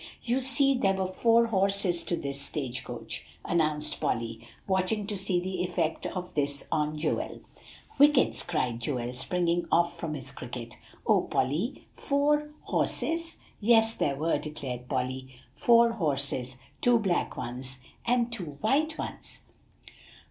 "You see, there were four horses to this stage coach," announced Polly, watching to see the effect of this on Joel. "Whickets!" cried Joel, springing off from his cricket. "O Polly four horses!" "Yes, there were," declared Polly, "four horses, two black ones and two white ones."